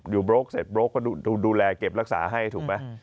โบรกเสร็จโบรกก็ดูแลเก็บรักษาให้ถูกไหม